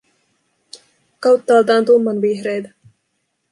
Kauttaaltaan tummanvihreitä.